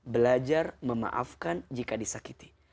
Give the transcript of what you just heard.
belajar memaafkan jika disakiti